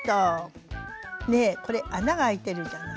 ねこれ穴が開いてるじゃない？